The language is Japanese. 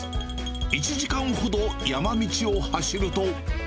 １時間ほど山道を走ると。